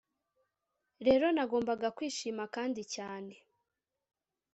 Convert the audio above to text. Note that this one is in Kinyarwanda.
rero nagombaga kwishima kandi cyane”